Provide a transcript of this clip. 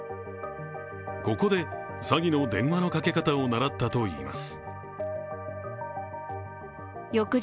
ここで詐欺の電話のかけ方を習ったといいます。